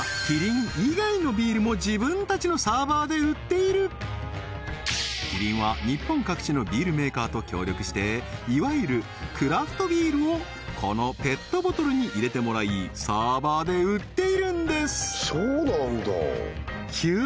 あんまりそうなんとキリンはキリンは日本各地のビールメーカーと協力していわゆるクラフトビールをこのペットボトルに入れてもらいサーバーで売っているんです日向